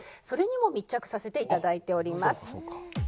それにも密着させて頂いております。